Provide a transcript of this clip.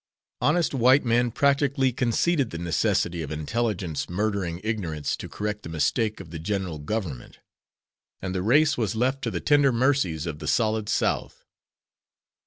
Honest white men practically conceded the necessity of intelligence murdering ignorance to correct the mistake of the general government, and the race was left to the tender mercies of the solid South.